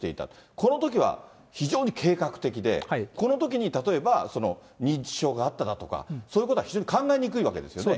このときは非常に計画的で、このときに例えば、認知症があったかとか、そういうことは非常に考えにくいわけですそうですね。